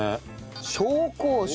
紹興酒。